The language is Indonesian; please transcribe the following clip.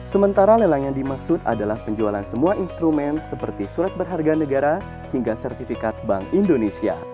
sementara lelang yang dimaksud adalah penjualan semua instrumen seperti surat berharga negara hingga sertifikat bank indonesia